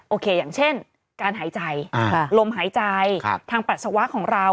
อย่างเช่นการหายใจลมหายใจทางปัสสาวะของเรา